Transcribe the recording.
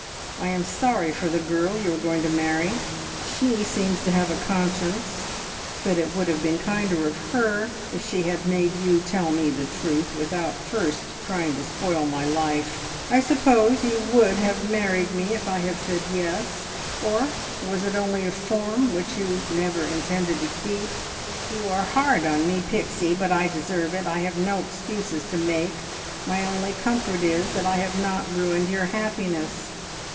I am sorry for the girl you are going to marry. She seems to have a conscience, but it would have been kinder of her if she had made you tell me the truth without first trying to spoil my life. I suppose you would have married me if I had said `yes,' or was it only a form which you never intended to keep?" "You are hard on me, Pixie, but I deserve it. I have no excuses to make. My only comfort is that I have not ruined your happiness.